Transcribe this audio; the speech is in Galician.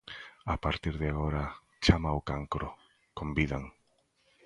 "A partir de agora, chámao cancro", convidan.